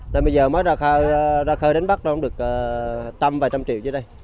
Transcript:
rồi bây giờ mới ra khơi đánh bắt nó cũng được trăm vài trăm triệu chứ đây